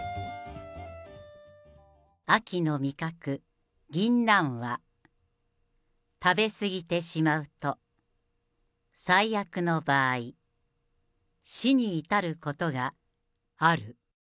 秋の味覚、ぎんなんは、食べ過ぎてしまうと、最悪の場合、死に至ることがある。